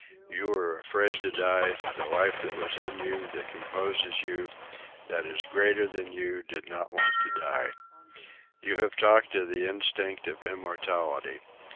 You were afraid to die; the life that was in you, that composes you, that is greater than you, did not want to die. You have talked of the instinct of immortality.